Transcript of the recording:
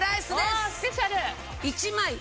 おスペシャル。